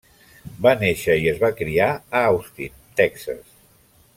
Va néixer i es va criar a Austin, Texas.